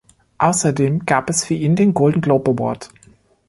Außerdem gab es für ihn den Golden Globe Award.